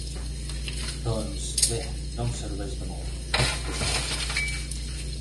Doncs, bé, no em serveix de molt aquesta resposta.